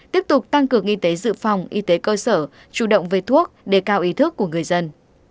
tiếp tục tăng cường y tế dự phòng y tế cơ sở chủ động về thuốc đề cao ý thức của người dân